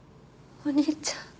お兄ちゃん。